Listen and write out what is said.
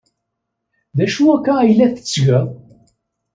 D acu akka ay la tettgeḍ?